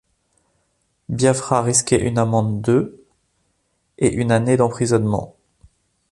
Biafra risquait une amende de et une année d'emprisonnement.